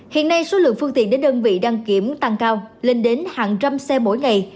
hiện nay số lượng phương tiện đến đơn vị đăng kiểm tăng cao lên đến hàng trăm xe mỗi ngày